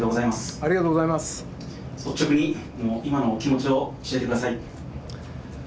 率直に今のお気持ちを教えてください。